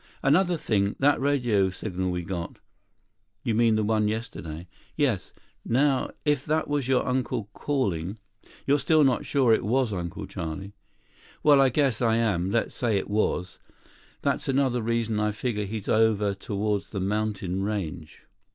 "Another thing ... that radio signal we got." "You mean the one yesterday?" "Yes. Now if that was your uncle calling...." "You're still not sure it was Uncle Charlie?" "Well, I guess I am. Let's say it was. That's another reason I figure he's over toward the mountain range."